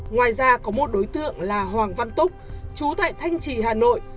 ngoài ra có một đối tượng là hoàng văn túc chú tại thanh trì hà nội